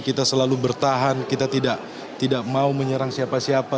kita selalu bertahan kita tidak mau menyerang siapa siapa